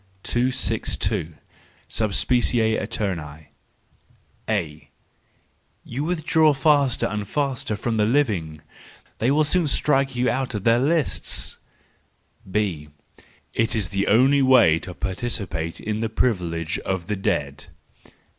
262. Sub specie aeternu —A: "You withdraw faster and faster from the living; they will soon strike you out of their lists ! "—B :" It is the only way to participate in the privilege of the dead."